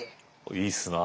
いいっすな。